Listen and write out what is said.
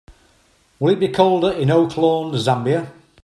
Will it be colder in Oaklawn Zambia?